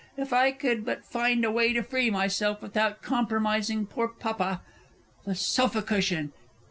If I could but find a way to free myself without compromising poor Papa. The sofa cushion!